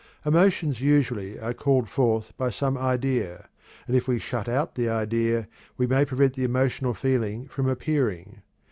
Emotions usually are called forth by some idea, and if we shut out the idea we may prevent the emotional feeling from appearing.